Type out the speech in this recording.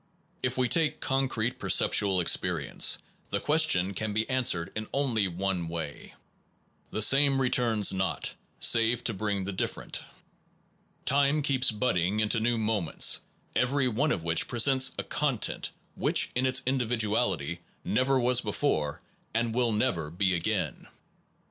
If we take concrete perceptual experience, the question can be answered in only one way. The same returns not, save to bring the dif 147 SOME PROBLEMS OF PHILOSOPHY ferent. Time keeps budding into new mo ments, every one of which presents a content Percept which in its individuality never was ual nov elty before and will never be again.